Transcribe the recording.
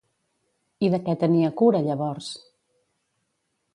I de què tenia cura, llavors?